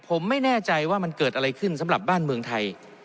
ผมไม่แน่ใจว่ามันเกิดอะไรขึ้นสำหรับบ้านเมืองไทย